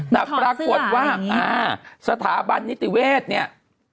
แต่ปรากฏว่าสถาบันนิติเวศเนี่ย